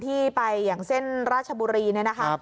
ที่ไปอย่างเส้นราชบุรีเนี่ยนะคะ